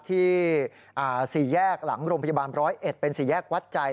สี่แยกหลังโรงพยาบาล๑๐๑เป็นสี่แยกวัดใจ